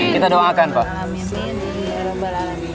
kita doakan pak